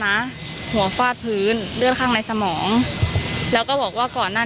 หัวฟาดพื้นเลือดข้างในสมองแล้วก็บอกว่าก่อนหน้า